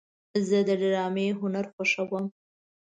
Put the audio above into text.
زه د ډرامې هنر خوښوم.